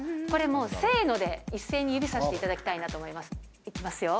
これもう、せーので一斉に指さしていただきたいなと思います。